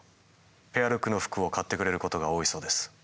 ペアルックの服を買ってくれることが多いそうです。